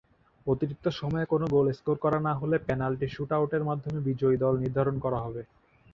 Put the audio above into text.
অতিরিক্ত সময়ে কোন গোল স্কোর করা না হলে, পেনাল্টি শুট-আউটের মাধ্যমে বিজয়ী দল নির্ধারণ করে হবে।